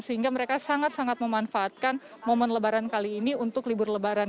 sehingga mereka sangat sangat memanfaatkan momen lebaran kali ini untuk libur lebaran